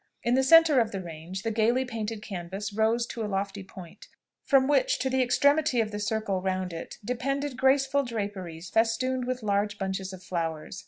In the centre of the range, the gaily painted canvass rose into a lofty point, from which, to the extremity of the circle round it, depended graceful draperies, festooned with large bunches of flowers.